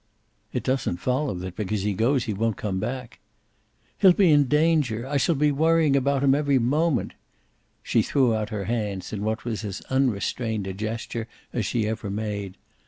"It doesn't follow that because he goes he won't come back." "He'll be in danger. I shall be worrying about him every moment." She threw out her hands in what was as unrestrained a gesture as she ever made.